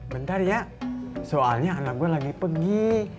bentar ya soalnya anak gue lagi pergi